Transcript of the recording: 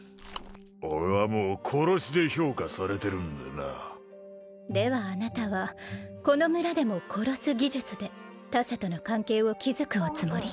俺はもう殺しで評価されてるんでなではあなたはこの村でも殺す技術で他者との関係を築くおつもり？